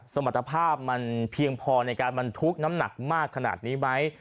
สมรรถภาพมันเพียงพอในการบรรทุกน้ำหนักมากขนาดนี้ไหม